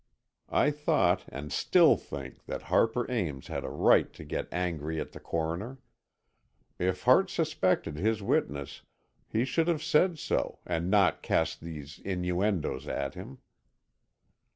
I thought and still think that Harper Ames had a right to get angry at the Coroner. If Hart suspected his witness he should have said so, and not cast these innuendoes at him.